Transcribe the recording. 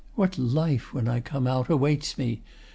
What life, when I come out, Awaits me?